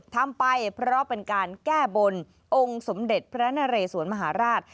ทำไปเพราะเป็นการแก้บนองค์สมเด็จพระนเรสวนมหาราช